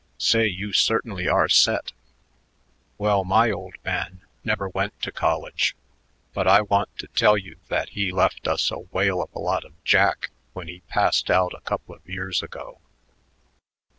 "Say, you certainly are set. Well, my old man never went to college, but I want to tell you that he left us a whale of a lot of jack when he passed out a couple of years ago."